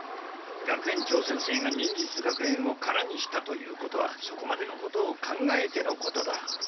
学園長先生が忍術学園を空にしたということはそこまでのことを考えてのことだ。